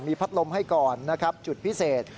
พัดลมให้ก่อนนะครับจุดพิเศษ